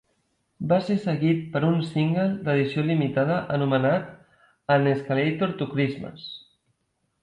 Va ser seguit per un single d'edició limitada anomenat "An Escalator to Christmas".